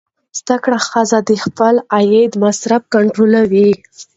زده کړه ښځه د خپل عاید مصرف کنټرولوي.